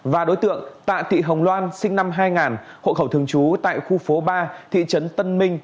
và đối tượng tạ thị hồng loan sinh năm hai nghìn hộ khẩu thường trú tại khu phố ba thị trấn tân minh